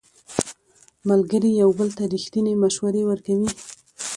ملګري یو بل ته ریښتینې مشورې ورکوي